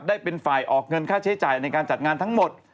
ได้เป็นฝ่ายออกเงินค่าใช้จ่ายในการจัดงานทั้งหมด